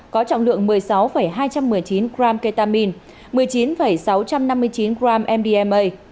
có trọng lượng một mươi sáu hai trăm một mươi chín gram ketamin một mươi chín sáu trăm năm mươi chín gram mdma